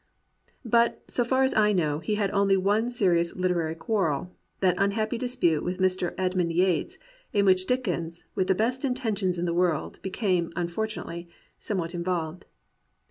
But, so far as I know, he had only one serious literary quarrel — that unhappy dispute with Mr. Edmund Yates, in which Dickens, with the best intentions in the world, became, unfor tunately, somewhat involved.